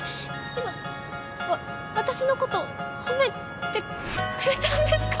今わ私のこと褒めてくれたんですか？